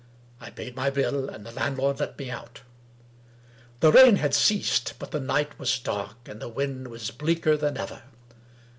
I paid my bill, and the landlord let me out. The rain had ceased; but the night was dark, and the wind was bleaker than ever.